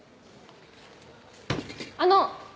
あの！